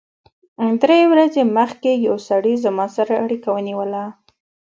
درې ورځې مخکې یو سړي زما سره اړیکه ونیوله